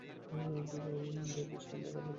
তুই ভাবিস আমার, আমাদের কথা?